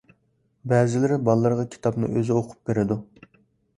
بەزىلىرى بالىلىرىغا كىتابنى ئۆزى ئوقۇپ بېرىدۇ.